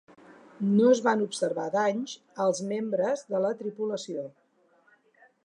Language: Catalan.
No es van observar danys als membres de la tripulació.